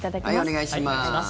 お願いします。